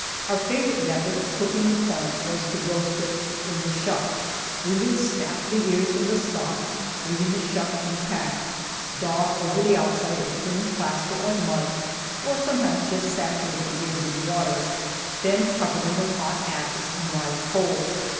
Our favorite method of cooking the corn was to roast it in the "shuck." We would "snap" the ears from the stalk, leaving the shuck intact, daub over the outside a thin plaster of mud (or sometimes just saturate the ears in water), then cover them with hot ashes and live coals.